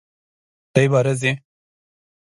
دی باره ځي!